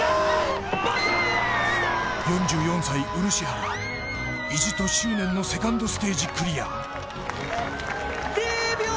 ４４歳、漆原、意地と執念のセカンドステージクリア。